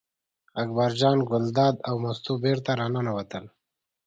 اکبر جان ګلداد او مستو بېرته راننوتل.